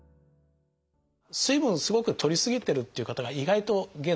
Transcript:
水分すごくとりすぎてるっていう方が意外と現代多いですね。